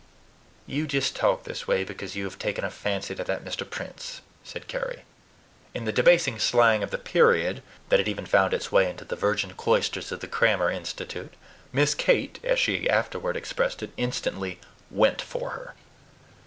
"You just talk this way because you have taken a fancy to that Mr. Prince," said Carry. In the debasing slang of the period, that had even found its way into the virgin cloisters of the Crammer Institute, Miss Kate, as she afterward expressed it, instantly "went for her."